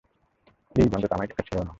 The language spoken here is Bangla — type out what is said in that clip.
প্লিজ, অন্তত আমায় একা ছেড়ো না।